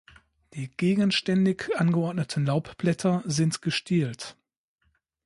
Die gegenständig angeordneten Laubblätter sind gestielt.